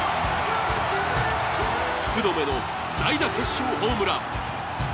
福留の代打決勝ホームラン。